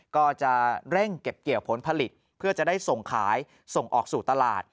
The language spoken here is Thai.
ก็จะเร่งเก็บเกี่ยวผลผลิตเพื่อจะได้ส่งขายส่งออกสู่ตลาด